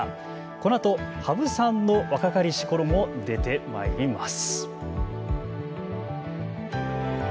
このあと、羽生さんの若かりし頃も出てまいります。